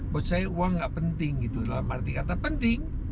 buat saya uang nggak penting gitu dalam arti kata penting